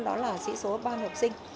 đó là sĩ số ba học sinh